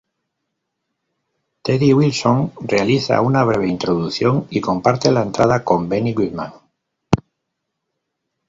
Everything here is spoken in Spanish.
Teddy Wilson realiza una breve introducción y comparte la entrada con Benny Goodman.